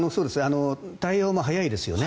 対応も早いですよね。